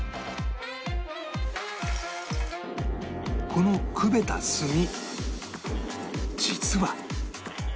このくべた炭実は